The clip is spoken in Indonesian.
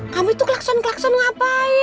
kamu tuh kelakson kelakson ngapain